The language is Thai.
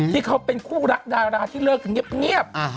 ที่เขาเป็นคู่รักดาราที่เลิกกันเงียบ